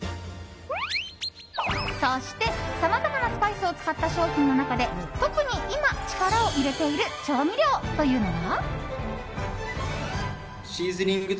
そして、さまざまなスパイスを使った商品の中で特に今、力を入れている調味料というのが。